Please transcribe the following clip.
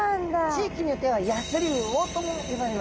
地域によってはやすりうおとも呼ばれます。